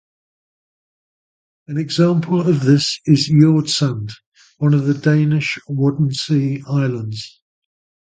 An example of this is Jordsand, one of the Danish Wadden Sea Islands.